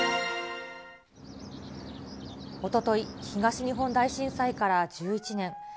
おととい、東日本大震災から１１年。